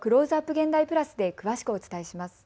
現代＋で詳しくお伝えします。